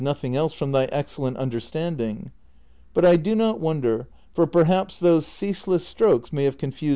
141 nothing else from thy excellent nnderstanding. But I do not wonder, for perhaps those ceaseless strokes may have confused thy wits."